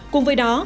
cùng với đó